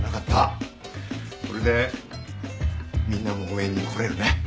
これでみんなも応援に来れるね。